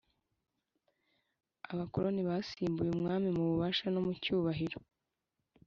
abakoloni basimbuye umwami mu bubasha no mu cyubahiro.